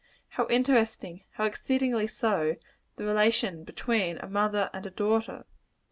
How interesting how exceedingly so the relation between a mother and a daughter?